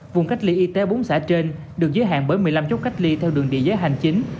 vùng cách ly y tế bốn xã trên được giới hạn bởi một mươi năm chốt cách ly theo đường địa giới hành chính